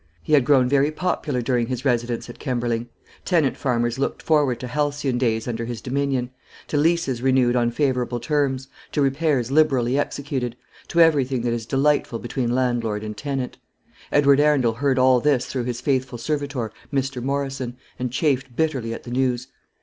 He had grown very popular during his residence at Kemberling. Tenant farmers looked forward to halcyon days under his dominion; to leases renewed on favourable terms; to repairs liberally executed; to everything that is delightful between landlord and tenant. Edward Arundel heard all this through his faithful servitor, Mr. Morrison, and chafed bitterly at the news.